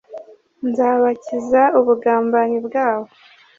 Nzabakiza ubugambanyi bwabo,